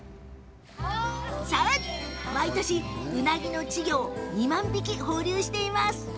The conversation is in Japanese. さらに、毎年ウナギの稚魚を２万匹、放流しています。